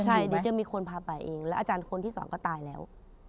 ใช่เดี๋ยวจะมีคนพาไปเองแล้วอาจารย์คนที่สองก็ตายแล้ว